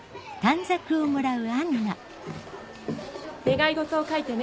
願い事を書いてね。